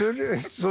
そう。